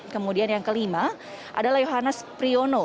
kemudian yang kelima adalah yohannes priyono